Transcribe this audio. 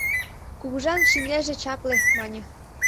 «Кугыжан шинельже чапле» мане...